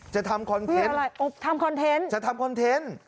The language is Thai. จะทำคอนเทนต์เพื่ออะไรทำคอนเทนต์